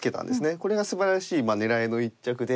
これがすばらしい狙いの一着で。